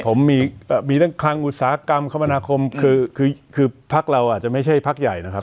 ผมมีเรื่องคลังอุตสาหกรรมคมนาคมคือคือพักเราอาจจะไม่ใช่พักใหญ่นะครับ